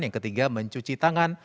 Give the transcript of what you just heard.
yang ketiga mencuci tangan